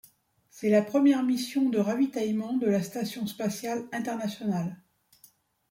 C'est la première mission de ravitaillement de la station spatiale internationale.